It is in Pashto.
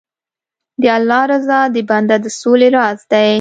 د الله رضا د بنده د سولې راز دی.